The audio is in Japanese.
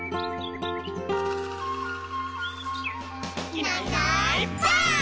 「いないいないばあっ！」